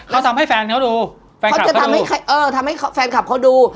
เขาทำให้แฟนเขาดูแฟนเขาจะทำให้เออทำให้แฟนคลับเขาดู